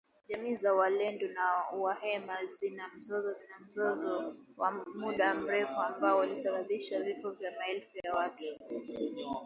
Jamii za walendu na wahema zina mzozo, zina mzozo wa muda mrefu ambao ulisababishwa vifo vya maelfu ya watu.